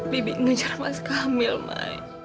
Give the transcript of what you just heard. bibi ngejar mas kamil mai